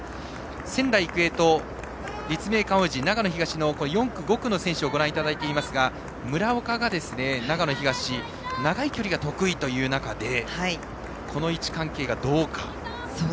仙台育英と立命館宇治長野東の４区、５区の選手をご覧いただいていますが村岡が長野東長い距離が得意という中でこの位置関係がどうか。